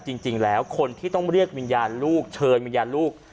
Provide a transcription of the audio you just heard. จริงแล้วคนที่ต้องเรียกวิญญาณลูกเชิญวิญญาณลูก